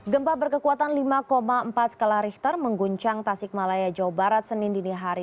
gempa berkekuatan lima empat skala richter mengguncang tasik malaya jawa barat senin dinihari